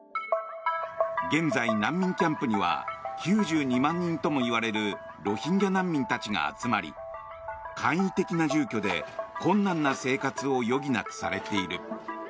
現在、難民キャンプには９２万人ともいわれるロヒンギャ難民たちが集まり簡易的な住居で困難な生活を余儀なくされている。